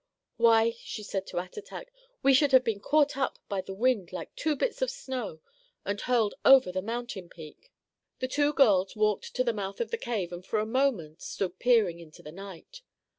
"Why," she said to Attatak, "we should have been caught up by the wind like two bits of snow and hurled over the mountain peak." The two girls walked to the mouth of the cave and for a moment stood peering into the night.